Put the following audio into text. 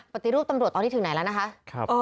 ปฏิรูปตำรวจตอนนี้ถึงไหนแล้วนะคะ